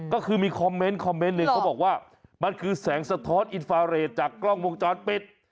ก็คือมีคอมเมนต์คอมเมนต์หนึ่งเขาบอกว่ามันคือแสงสะท้อนอินฟาเรทจากกล้องวงจรปิด